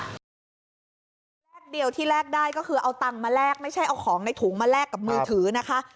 แรกเดียวที่แลกได้ก็คือเอาตังค์มาแลกไม่ใช่เอาของในถุงมาแลกกับมือถือนะคะ